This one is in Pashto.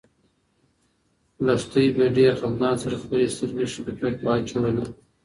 لښتې په ډېر خپګان سره خپلې سترګې ښکته واچولې.